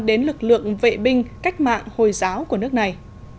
đến lực lượng vệ binh cách mạng hồi giáo của nước này